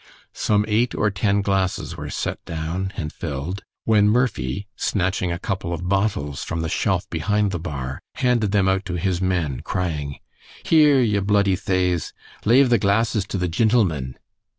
Some eight or ten glasses were set down and filled, when Murphy, snatching a couple of bottles from the shelf behind the bar, handed them out to his men, crying, "Here, ye bluddy thaves, lave the glasses to the gintlemen!"